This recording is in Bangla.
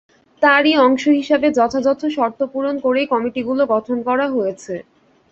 তারই অংশ হিসেবে যথাযথ শর্ত পূরণ করেই কমিটিগুলো গঠন করা হয়েছে।